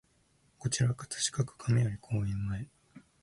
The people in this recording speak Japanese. こちら葛飾区亀有公園前